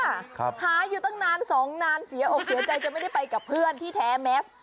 เจอแล้วค่ะหายอยู่ตั้งนานสองนานเสียหกเสียใจจะไม่ได้ไปกับเพื่อนที่แท้แม็กซ์